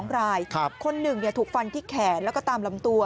๒รายคนหนึ่งถูกฟันที่แขนแล้วก็ตามลำตัว